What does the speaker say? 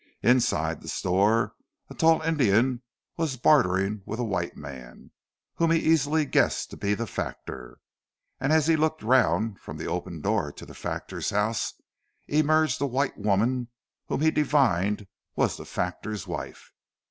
Inside the store a tall Indian was bartering with a white man, whom he easily guessed to be the factor, and as he looked round from the open door of the factor's house, emerged a white woman whom he divined was the factor's wife.